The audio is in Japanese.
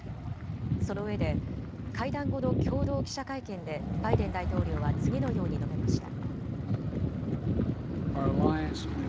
そのうえで、会談後の共同記者会見でバイデン大統領は次のように述べました。